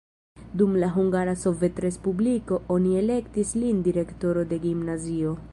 Dum la Hungara Sovetrespubliko oni elektis lin direktoro de gimnazio.